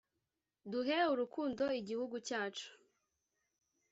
duhe urukundo igihugu cyacu